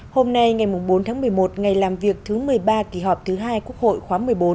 hôm nay ngày bốn tháng một mươi một ngày làm việc thứ một mươi ba kỳ họp thứ hai quốc hội khóa một mươi bốn